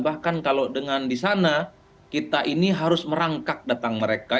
bahkan kalau dengan di sana kita ini harus merangkak datang mereka